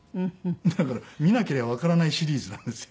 だから「みなけりゃ分からない」シリーズなんですよ。